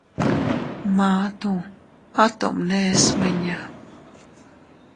Matuu ¿A tomne smiña?